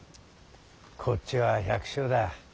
こっちは百姓だ。